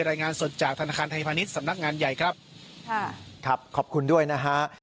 รายงานสดจากธนาคารไทยพาณิชย์สำนักงานใหญ่ครับค่ะครับขอบคุณด้วยนะฮะ